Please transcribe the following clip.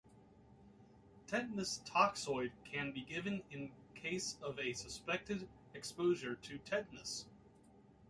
Tetanus toxoid can be given in case of a suspected exposure to tetanus.